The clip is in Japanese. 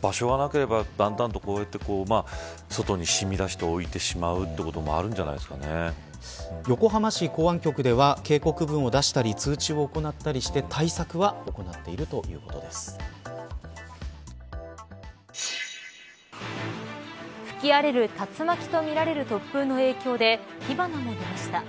場所がなければだんだんとこうやって外に染み出して置いてしまうということもあるんじゃない横浜市港湾局では警告文を出したり通知を行ったりして、対策は吹き荒れる竜巻とみられる突風の影響で火花が出ました。